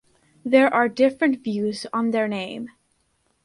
There are different views on their name.